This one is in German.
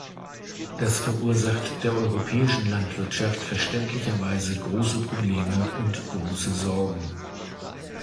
Das verursacht der europäischen Landwirtschaft verständlicherweise große Probleme und große Sorgen.